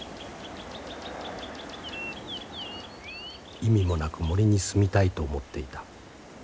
「意味もなく森に住みたいと思っていた。